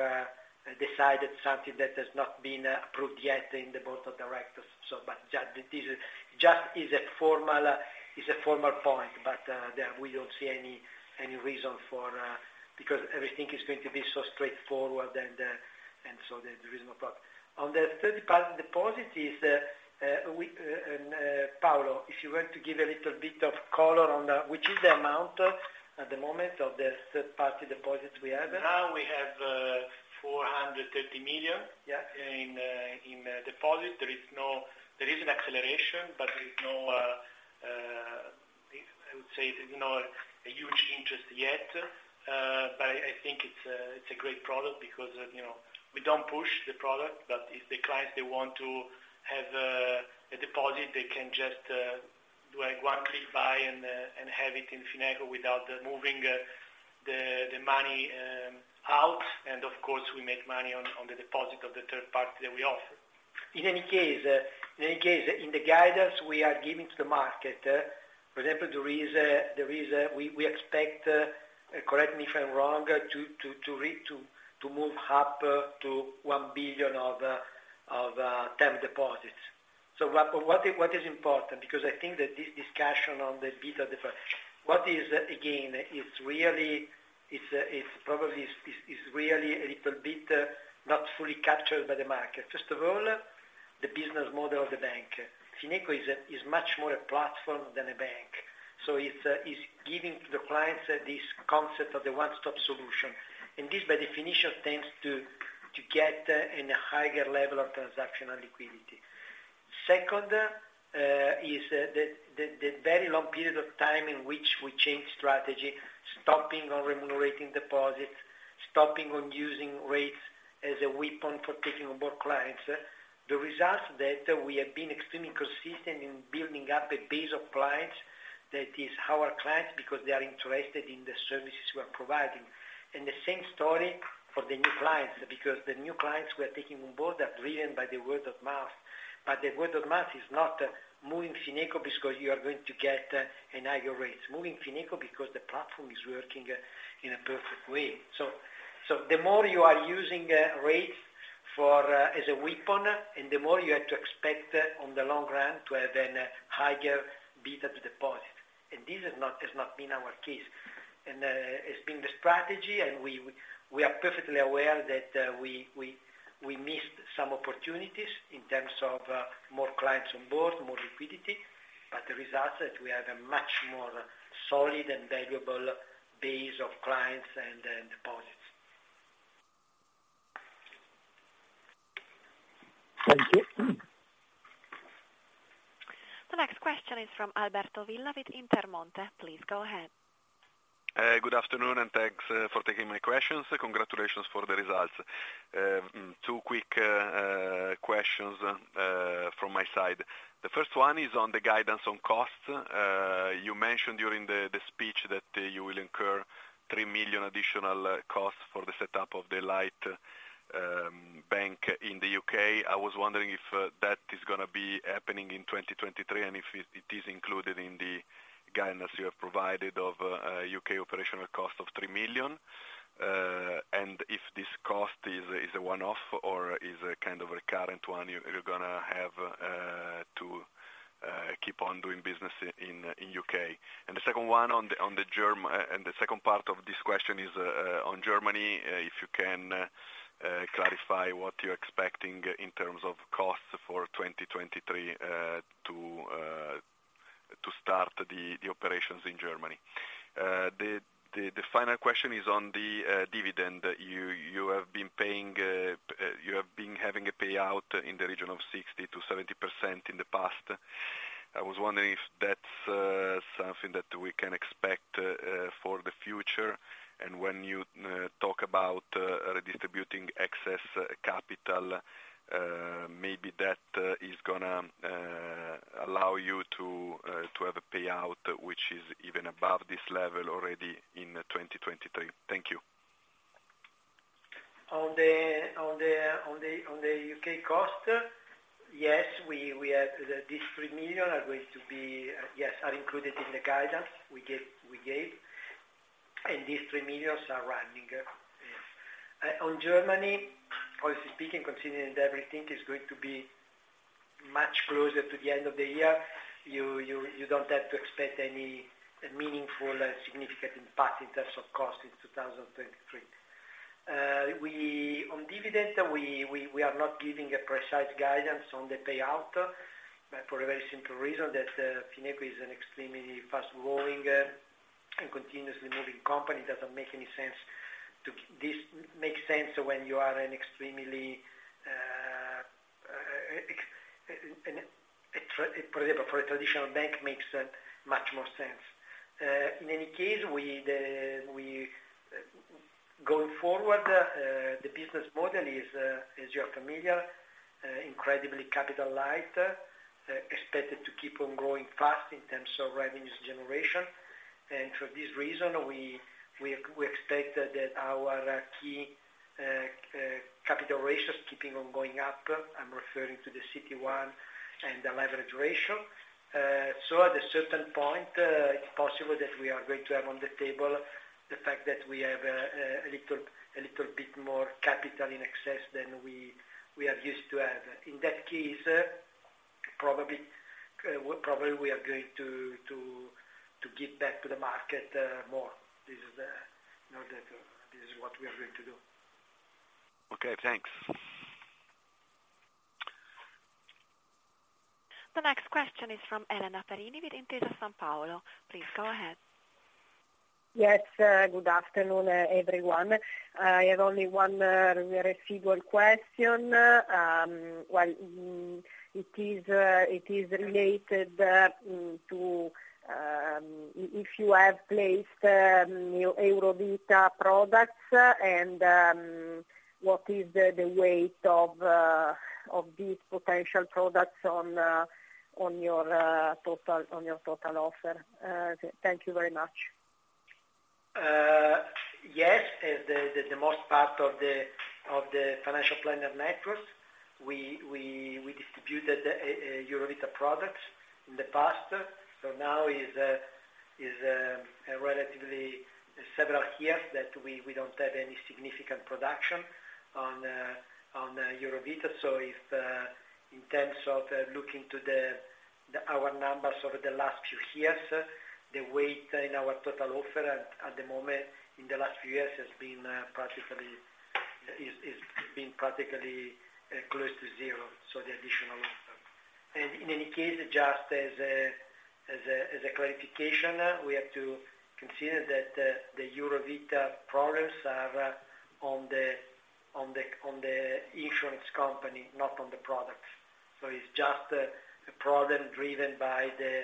decided something that has not been approved yet in the board of directors. Just this is. Just is a formal point, but there we don't see any reason for. Everything is going to be so straightforward and so there is no problem. On the third party deposits is, we, Paolo, if you want to give a little bit of color on which is the amount at the moment of the third party deposits we have. Now we have 430 million. Yeah. In deposit. There is an acceleration, but there is no, I would say there's no a huge interest yet. I think it's a, it's a great product because, you know, we don't push the product, but if the clients they want to have a deposit, they can just do like one click buy and have it in Fineco without moving the money out. Of course, we make money on the deposit of the third party that we offer. In any case, in the guidance we are giving to the market, for example, there is a, we expect, correct me if I'm wrong, to move up to 1 billion of term deposits. What is important, because I think that this discussion on the beta different. What is again, it's really, it's probably is really a little bit, not fully captured by the market. First of all, the business model of the bank. Fineco is much more a platform than a bank. It's giving to the clients this concept of the one-stop solution. This, by definition, tends to get in a higher level of transactional liquidity. Second, is the very long period of time in which we change strategy, stopping on remunerating deposits, stopping on using rates as a weapon for taking on board clients. The result that we have been extremely consistent in building up a base of clients that is our clients because they are interested in the services we are providing. The same story for the new clients, because the new clients we are taking on board are driven by the word of mouth. The word of mouth is not moving Fineco because you are going to get a higher rates. Moving Fineco because the platform is working in a perfect way. The more you are using rates for as a weapon, and the more you have to expect on the long run to have a higher beta deposit. This has not been our case. It's been the strategy, we are perfectly aware that we missed some opportunities in terms of more clients on board, more liquidity, the results that we have a much more solid and valuable base of clients and deposits. Thank you. The next question is from Alberto Villa with Intermonte. Please go ahead. Good afternoon, and thanks for taking my questions. Congratulations for the results. Two quick questions from my side. The first one is on the guidance on costs. You mentioned during the speech that you will incur 3 million additional costs for the setup of the light bank in the U.K. I was wondering if that is gonna be happening in 2023, and if it is included in the guidance you have provided of a U.K. operational cost of 3 million? And if this cost is a one-off or is a kind of a current one, you're gonna have to keep on doing business in U.K.? The second part of this question is on Germany. If you can clarify what you're expecting in terms of costs for 2023 to start the operations in Germany. The final question is on the dividend. You have been having a payout in the region of 60%-70% in the past. I was wondering if that's something that we can expect for the future. When you talk about redistributing excess capital, maybe that is gonna allow you to have a payout which is even above this level already in 2023. Thank you. On the UK cost, yes, we have. These 3 million are going to be included in the guidance we gave. These 3 million are running. On Germany, policy speaking, considering everything is going to be much closer to the end of the year, you don't have to expect any meaningful or significant impact in terms of cost in 2023. On dividend, we are not giving a precise guidance on the payout for a very simple reason that Fineco is an extremely fast-growing and continuously moving company. It doesn't make any sense. This makes sense when you are an extremely, for example, for a traditional bank makes much more sense. In any case, we, going forward, the business model is, as you are familiar, incredibly capital light, expected to keep on growing fast in terms of revenues generation. For this reason, we expect that our key capital ratios keeping on going up. I'm referring to the CET1 and the leverage ratio. At a certain point, it's possible that we are going to have on the table the fact that we have a little bit more capital in excess than we are used to have. In that case, probably we are going to give back to the market more. This is the, you know, that this is what we are going to do. Okay, thanks. The next question is from Elena Perini with Intesa Sanpaolo. Please go ahead. Yes. Good afternoon, everyone. I have only one receivable question. Well, it is related to if you have placed your Eurovita products and what is the weight of these potential products on your total offer? Thank you very much. Yes, the most part of the financial planner networks, we distributed Eurovita products in the past. Now is a relatively several years that we don't have any significant production on Eurovita. If in terms of looking to the our numbers over the last few years, the weight in our total offer at the moment in the last few years has been practically, is being practically close to zero. The additional offer. In any case, just as a clarification, we have to consider that the Eurovita problems are on the insurance company, not on the product. It's just a problem driven by the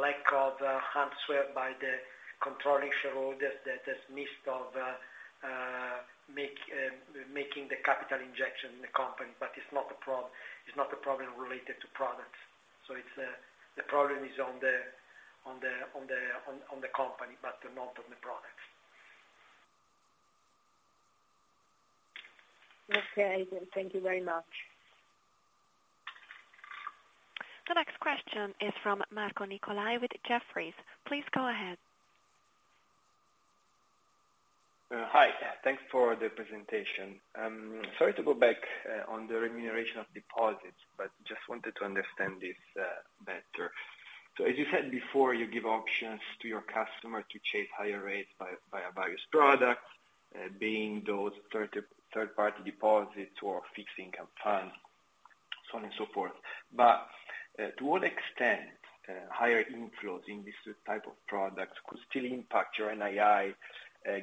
lack of hands wear by the controlling shareholder that has missed of making the capital injection in the company. It's not a problem related to products. It's the problem is on the company, but not on the products. Okay. Thank you very much. The next question is from Marco Nicolai with Jefferies. Please go ahead. Hi. Thanks for the presentation. Sorry to go back on the remuneration of deposits, but just wanted to understand this better. As you said before, you give options to your customer to chase higher rates by various products, being those third-party deposits or fixed income funds, so on and so forth. To what extent higher inflows in this type of products could still impact your NII,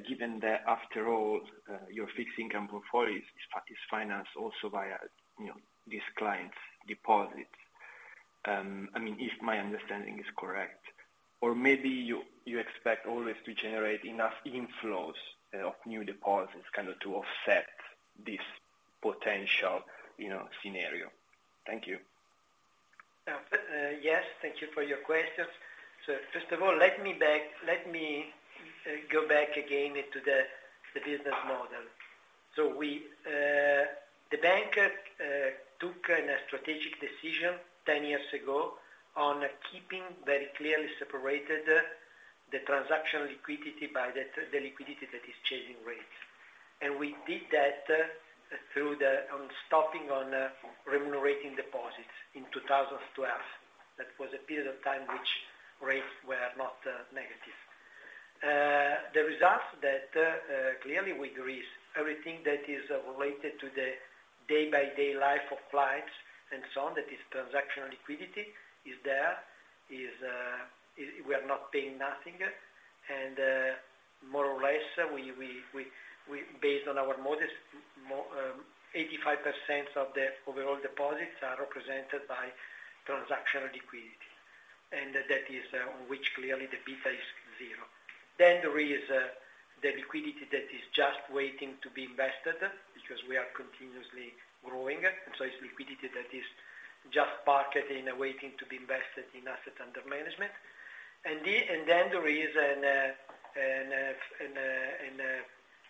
given that after all, your fixed income portfolio is financed also via, you know, this client's deposits? I mean, if my understanding is correct. Maybe you expect always to generate enough inflows of new deposits kind of to offset this potential, you know, scenario. Thank you. Yes. Thank you for your questions. First of all, let me go back again into the business model. We, the bank, took a strategic decision 10 years ago on keeping very clearly separated the transaction liquidity by the liquidity that is chasing rates. We did that through the stopping on remunerating deposits in 2012. That was a period of time which rates were not negative. The results that clearly we agree is everything that is related to the day by day life of clients and so on, that is transactional liquidity is there, is, we are not paying nothing. More or less, we based on our models, 85% of the overall deposits are represented by transactional liquidity. That is on which clearly the beta is zero. There is the liquidity that is just waiting to be invested because we are continuously growing. It's liquidity that is just parked in, waiting to be invested in assets under management. Then there is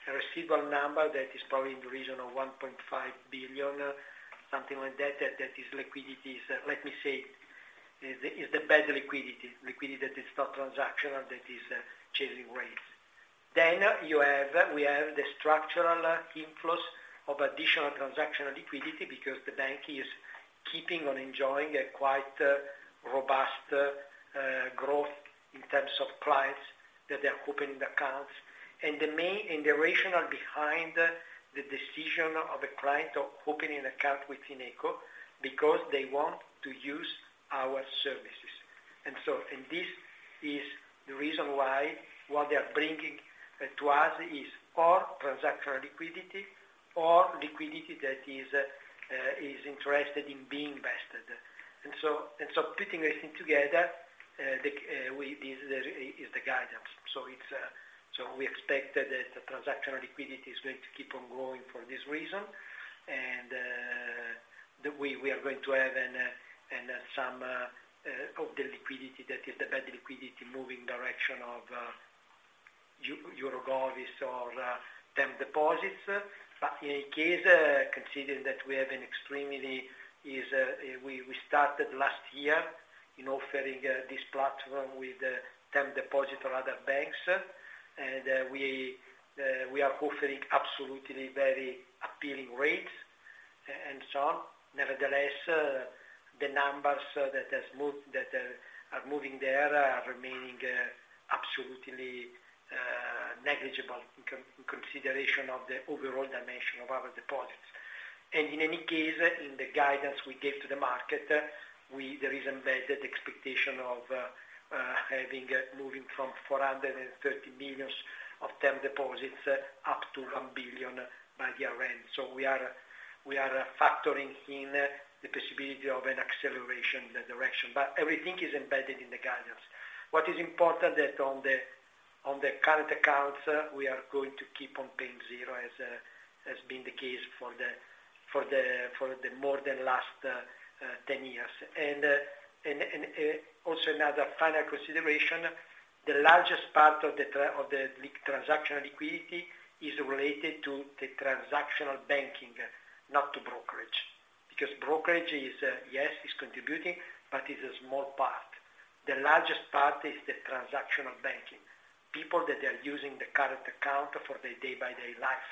a reasonable number that is probably in the region of 1.5 billion, something like that is liquidity is, let me say, is the bad liquidity that is not transactional, that is chasing rates. You have, we have the structural inflows of additional transactional liquidity because the bank is keeping on enjoying a quite robust growth in terms of clients that they are opening the accounts. The main rationale behind the decision of a client of opening an account within Fineco because they want to use our services. This is the reason why what they are bringing to us is for transactional liquidity or liquidity that is interested in being invested. Putting everything together, is the guidance. It's, so we expect that the transactional liquidity is going to keep on growing for this reason. That we are going to have an some of the liquidity that is the bad liquidity moving direction of EUROGOV or term deposits. In any case, considering that we have an extremely is, we started last year in offering this platform with term deposit or other banks. We are offering absolutely very appealing rates and so on. Nevertheless, the numbers that has moved, that are moving there are remaining absolutely negligible in consideration of the overall dimension of our deposits. In any case, in the guidance we gave to the market, there is embedded expectation of having moving from 430 million of term deposits up to 1 billion by year-end. We are factoring in the possibility of an acceleration in that direction. Everything is embedded in the guidance. What is important that on the current accounts, we are going to keep on paying zero as been the case for the more than last 10 years. Also another final consideration, the largest part of the transactional liquidity is related to the transactional banking, not to brokerage. Brokerage is, yes, is contributing, but is a small part. The largest part is the transactional banking. People that are using the current account for their day-by-day life,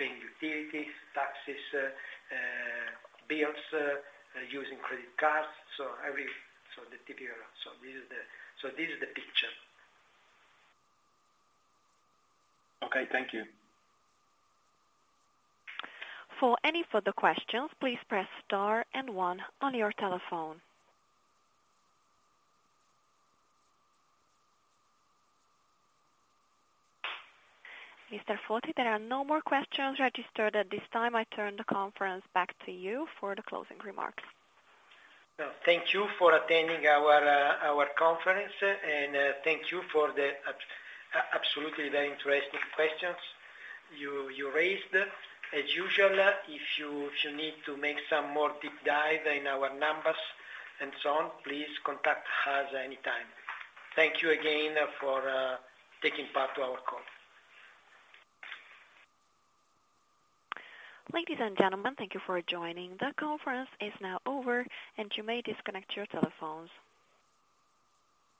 paying utilities, taxes, bills, using credit cards. The typical. This is the picture. Okay. Thank you. For any further questions, please press star and one on your telephone. Mr. Foti, there are no more questions registered at this time. I turn the conference back to you for the closing remarks. Well, thank you for attending our conference. Thank you for the absolutely very interesting questions you raised. As usual, if you need to make some more deep dive in our numbers and so on, please contact us anytime. Thank you again for taking part to our call. Ladies and gentlemen, thank you for joining. The conference is now over, and you may disconnect your telephones.